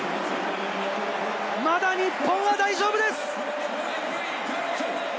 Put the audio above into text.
まだ日本は大丈夫です！